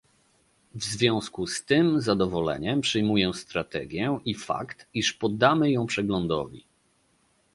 W związku z tym z zadowoleniem przyjmuję strategię i fakt, iż poddamy ją przeglądowi